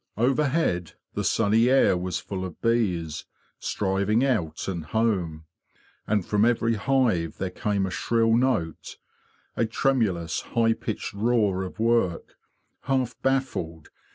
Overhead the sunny air was full of bees, striving out and home; and from every hive there came a shrill note, a tremulous, high pitched roar of work, half baffled